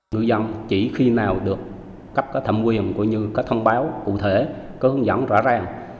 ngư dân chỉ khi nào được cấp thẩm quyền có thông báo cụ thể có hướng dẫn rõ ràng